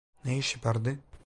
Ne iş yapardı?